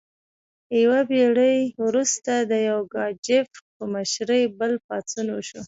یوه پیړۍ وروسته د یوګاچف په مشرۍ بل پاڅون وشو.